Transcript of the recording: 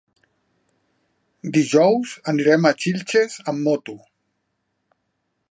Dijous anirem a Xilxes amb moto.